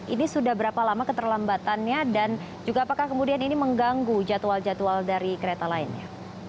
ini sudah berapa lama keterlambatannya dan juga apakah kemudian ini mengganggu jadwal jadwal dari kereta lainnya